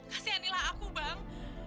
kasih anilah aku bang